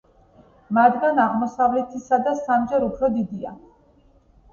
მათგან აღმოსავლეთისა სამჯერ უფრო დიდია.